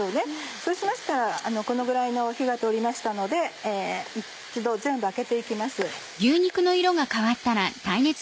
そうしましたらこのぐらいの火が通りましたので一度全部あけて行きます。